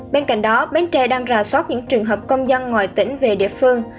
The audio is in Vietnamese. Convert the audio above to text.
bên cạnh đó bến tre đang rà soát những trường hợp công dân ngoài tỉnh về địa phương